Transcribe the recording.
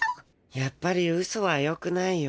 やっぱりうそはよくないよ。